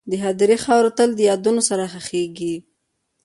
د هدیرې خاوره تل د یادونو سره ښخېږي..